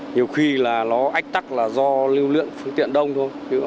nhiều khi ách tắc là do lưu lượng phương tiện đông thôi